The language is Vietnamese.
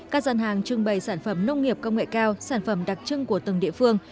các dân hàng trưng bày sản phẩm nông nghiệp công nghệ cao sản phẩm đặc trưng của từng địa phương